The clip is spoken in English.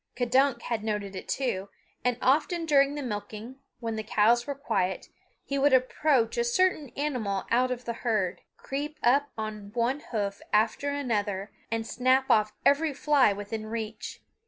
K'dunk had noted it too, and often during the milking, when the cows were quiet, he would approach a certain animal out of the herd, creep up on one hoof after another and snap off every fly within reach.